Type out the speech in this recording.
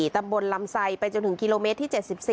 ตำบลลำไซไปจนถึงกิโลเมตรที่๗๔